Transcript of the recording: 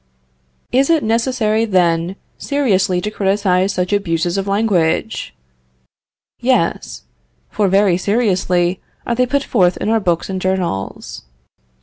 Is it necessary then seriously to criticise such abuses of language? Yes, for very seriously are they put forth in our books and journals.